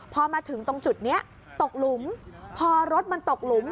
พอมาถึงตรงจุดนี้ตกหลุมพอรถมันตกหลุม